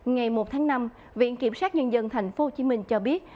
ngày một tháng năm viện kiểm sát nhân dân tp hcm cho biết